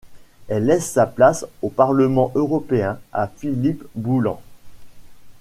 Elle laisse sa place au parlement européen à Philippe Boulland.